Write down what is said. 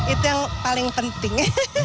itu yang paling penting